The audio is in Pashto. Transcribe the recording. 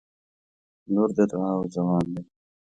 • لور د دعاوو ځواب دی.